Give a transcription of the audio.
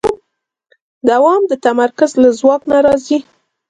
دوام د تمرکز له ځواک نه راځي.